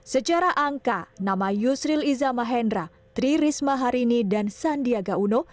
secara angka nama yusril iza mahendra tri risma harini dan sandiaga uno